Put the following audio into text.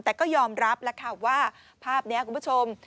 แต่ก็ยอมรับแล้วค่ะว่าภาพนี้คุณผู้ชม